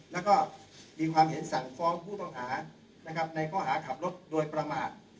แล้วก็มีความเห็นสั่งฟ้องผู้ต้องหานะครับในข้อหาขับรถโดยประมาท